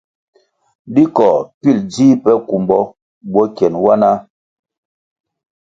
Di koh pil ji peh kumbo bwo kyen wanah.